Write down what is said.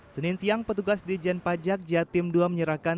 senin siang petugas dijen pajak jatim ii menyerahkan